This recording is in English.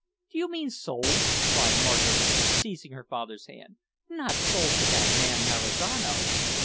do you mean sold?" cried Maraquita, seizing her father's hands, "not sold to that man Marizano?"